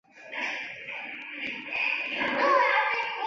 由美国亚利桑那大学的天文化学家。